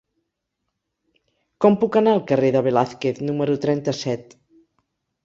Com puc anar al carrer de Velázquez número trenta-set?